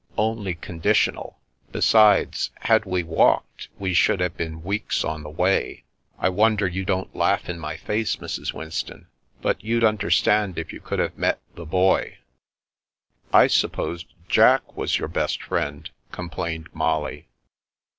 " Only conditional. Besides, had we walked, we should have been weeks on the way. I wonder you don't laugh in my face, Mrs. Winston, but you'd understand if you could have met the Boy." " I supposed Jack was your best friend," com plained Molly.